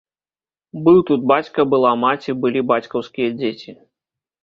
Быў тут бацька, была маці, былі бацькаўскія дзеці.